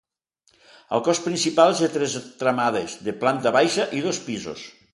El cos principal és de tres tramades, de planta baixa i dos pisos.